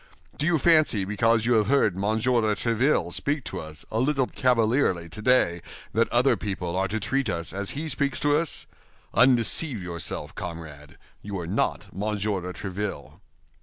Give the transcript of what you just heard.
Do you fancy because you have heard Monsieur de Tréville speak to us a little cavalierly today that other people are to treat us as he speaks to us? Undeceive yourself, comrade, you are not Monsieur de Tréville."